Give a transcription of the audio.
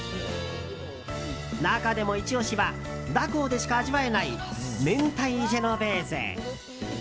中でもイチ押しはダコーでしか味わえない明太ジェノベーゼ。